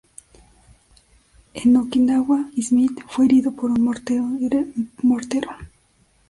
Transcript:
En Okinawa, Smith fue herido por un mortero.